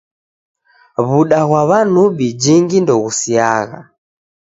W'uda ghwa w'anubi jingi ndoghusiagha.